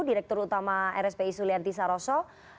direktur utama rspi sulianti saroso